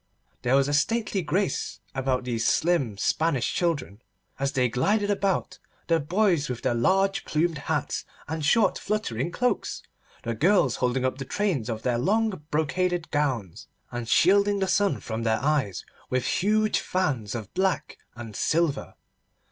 There was a stately grace about these slim Spanish children as they glided about, the boys with their large plumed hats and short fluttering cloaks, the girls holding up the trains of their long brocaded gowns, and shielding the sun from their eyes with huge fans of black and silver.